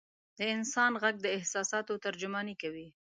د انسان ږغ د احساساتو ترجماني کوي.